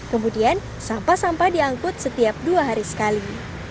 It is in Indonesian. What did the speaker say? kemudian sampah sampah diangkut setiap dua hari sekali